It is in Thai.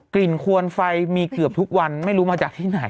ควนไฟมีเกือบทุกวันไม่รู้มาจากที่ไหน